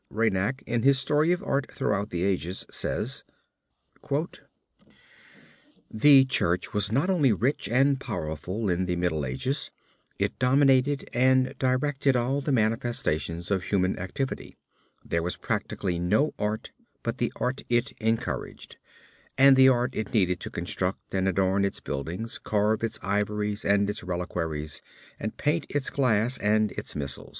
Reinach in his Story of Art throughout the Ages says: "The Church was not only rich and powerful in the Middle Ages; it dominated and directed all the manifestations of human activity. There was practically no art but the art it encouraged, the art it needed to construct and adorn its buildings, carve its ivories and its reliquaries, and paint its glass and its missals.